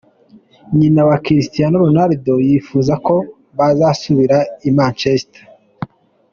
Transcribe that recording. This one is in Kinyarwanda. Nyina wa Cristiano Ronaldo yifuza ko bazasubira i Manchester.